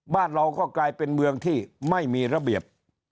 บ้านเราก็กลายเป็นเมืองที่ไม่มีระเบียบ